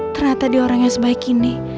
ternyata dia orang yang sebaik ini